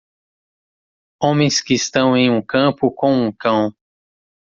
Homens que estão em um campo com um cão.